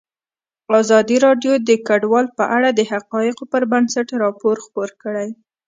ازادي راډیو د کډوال په اړه د حقایقو پر بنسټ راپور خپور کړی.